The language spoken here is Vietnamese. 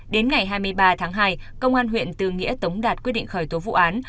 đến ngày hai mươi ba tháng hai công an huyện tư nghĩa tống đạt quyết định khởi tố vụ án